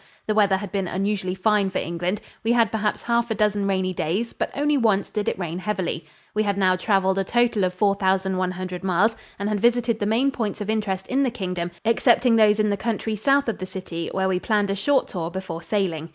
The weather had been unusually fine for England; we had perhaps half a dozen rainy days, but only once did it rain heavily. We had now traveled a total of 4100 miles and had visited the main points of interest in the Kingdom excepting those in the country south of the city, where we planned a short tour before sailing.